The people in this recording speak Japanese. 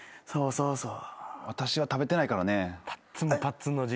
そうそう。